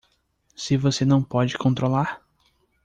Se você não pode controlar